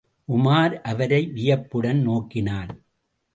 உமார் அவரை வியப்புடன் நோக்கினான்.